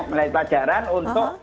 melalui pelajaran untuk